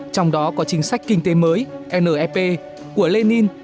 trong đó có chính sách kinh tế mới nep của lenin